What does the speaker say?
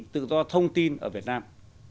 tự do thông tin ở việt nam